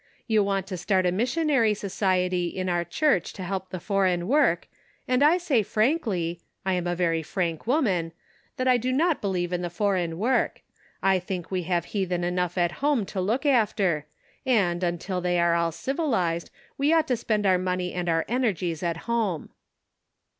You want to start a missionary society in our church to help the foreign work, and I say frankly — I am a very frank woman — that I do not believe in the foreign work. I think we have heathen enough at home to look after, and, until they are all civilized, we ought to spend our money and our energies at home."